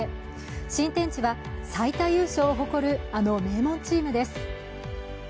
新天地は最多優勝を誇る、あの名門チームです。